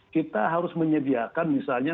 kita harus menyediakan misalnya